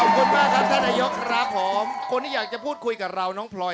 ขอบคุณมากครับท่านนายกครับผมคนที่อยากจะพูดคุยกับเราน้องพลอย